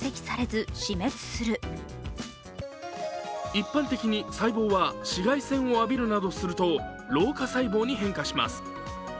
一般的に細胞は紫外線を浴びるなどすると老化細胞に変化します。